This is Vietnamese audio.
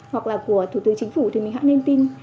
hoặc là của thủ tướng chính phủ thì mình hãy nên tin